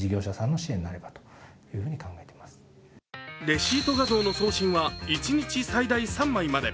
レシート画像の送信は一日最大３枚まで。